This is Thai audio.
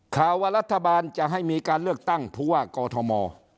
ข่าวว่ารัฐบาลจะให้มีการเลือกตั้งผู้ว่ากอทม